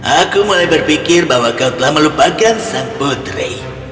aku mulai berpikir bahwa kau telah melupakan sang putri